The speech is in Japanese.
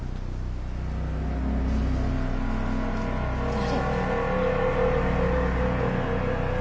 誰？